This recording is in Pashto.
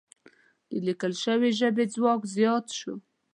د لیکل شوې ژبې ځواک زیات شو.